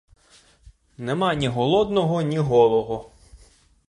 Нема ні голодного, ні голого.